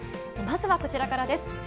まずはこちらからです。